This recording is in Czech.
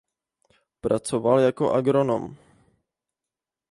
Pracoval jako agronom.